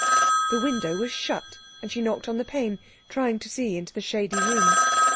The window was shut, and she knocked on the pane, trying to see into the shady room.